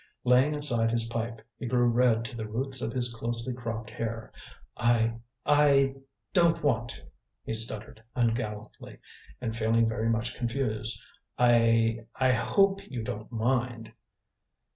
Laying aside his pipe, he grew red to the roots of his closely cropped hair. "I I don't want to," he stuttered ungallantly, and feeling very much confused. "I I hope you don't mind."